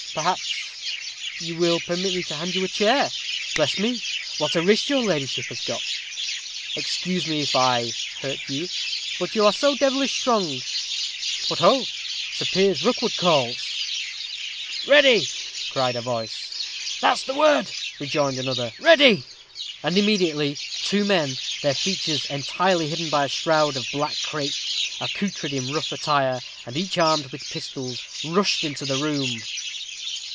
Perhaps you will permit me to hand you to a chair. Bless me! what a wrist your ladyship has got. Excuse me if I hurt you, but you are so devilish strong. What ho! 'Sir Piers Rookwood calls '" "Ready," cried a voice. "That's the word," rejoined another; "ready;" and immediately two men, their features entirely hidden by a shroud of black crape, accoutred in rough attire, and each armed with pistols, rushed into the room.